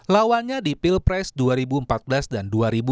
lawannya di pilpres dua ribu empat belas dan dua ribu sembilan belas